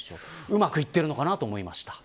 うまくいってるのかなと思いました。